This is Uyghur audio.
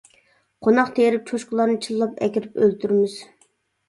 قوناق تېرىپ، چوشقىلارنى چىللاپ ئەكىرىپ ئۆلتۈرىمىز.